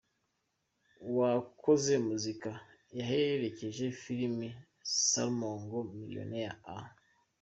Uwakoze muzika yaherekeje film Slumdog Millionaire, A.